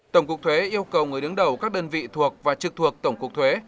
tổng cục thuế yêu cầu người đứng đầu các đơn vị thuộc và trực thuộc tổng cục thuế